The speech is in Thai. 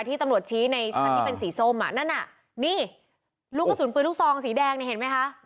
ที่ตำรวจชี้ในชั้นที่เป็นสีส้มอ่ะนั่นน่ะนี่ลูกกระสุนปืนลูกซองสีแดงเนี่ยเห็นไหมคะ